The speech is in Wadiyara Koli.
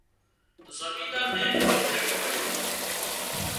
زمينۮار نين شڪ پڙيو